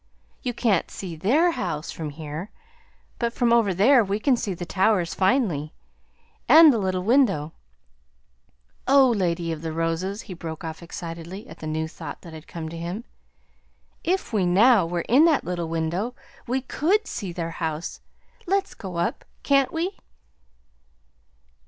You can't see THEIR house from here, but from over there we can see the towers finely, and the little window Oh, Lady of the Roses," he broke off excitedly, at the new thought that had come to him, "if we, now, were in that little window, we COULD see their house. Let's go up. Can't we?"